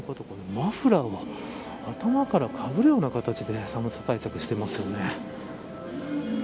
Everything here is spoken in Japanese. マフラーを頭からかぶるような形で寒さ対策をしていますね。